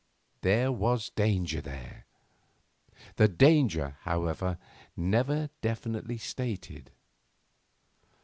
There was danger there, the danger, however, never definitely stated.